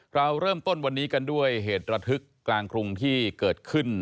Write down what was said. เราเริ่มต้นวันนี้กันด้วยเหตุระทึกกลางกรุงที่เกิดขึ้น